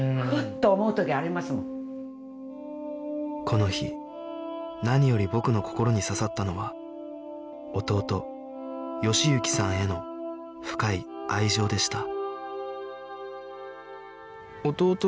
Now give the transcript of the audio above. この日何より僕の心に刺さったのは弟喜之さんへの深い愛情でした